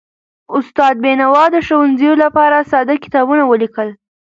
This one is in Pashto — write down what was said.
استاد بینوا د ښوونځیو لپاره ساده کتابونه ولیکل.